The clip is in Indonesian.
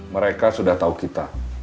mereka sudah tahu kita